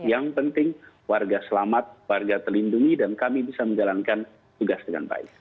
yang penting warga selamat warga terlindungi dan kami bisa menjalankan tugas dengan baik